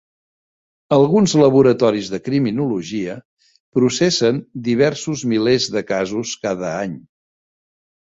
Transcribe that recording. Alguns laboratoris de criminologia processen diversos milers de casos cada any.